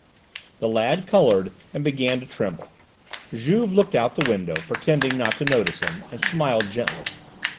The lad coloured and began to tremble. Juve looked out of the window, pretending not to notice him, and smiled gently.